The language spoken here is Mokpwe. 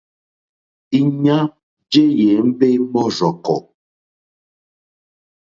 Íɲá jé ěmbé mɔ́rzɔ̀kɔ̀.